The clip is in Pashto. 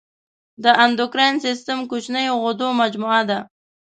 د اندوکراین سیستم کوچنیو غدو مجموعه ده.